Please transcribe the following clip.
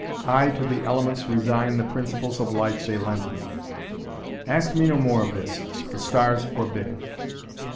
I to the elements Resign the principles of life they lent me. Ask me no more of this! the stars forbid it."